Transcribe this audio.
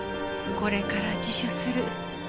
これから自首する。